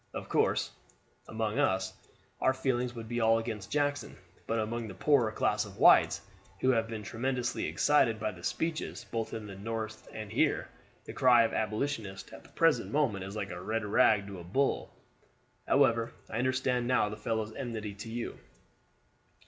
Of course among us our feelings would be all against Jackson; but among the poorer class of whites, who have been tremendously excited by the speeches, both in the North and here, the cry of Abolitionist at the present moment is like a red rag to a bull. However, I understand now the fellow's enmity to you.